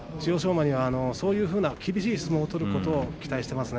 馬にはそういう厳しい相撲を取ることを期待しています。